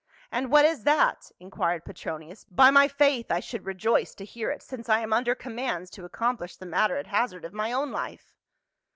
"And what is that?" inquired Petronius. " By my faith, I should rejoice to hear it, since I am under commands to accomplish the matter at hazard of my own life."